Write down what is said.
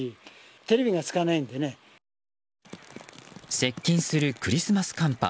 接近するクリスマス寒波。